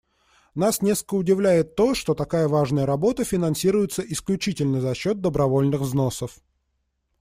Нас несколько удивляет то, что такая важная работа финансируется исключительно за счет добровольных взносов.